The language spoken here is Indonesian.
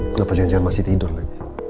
kenapa jangan jangan masih tidur lagi